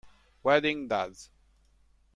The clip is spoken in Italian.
Wedding Daze